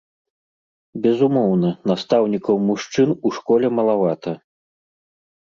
Безумоўна, настаўнікаў-мужчын у школе малавата.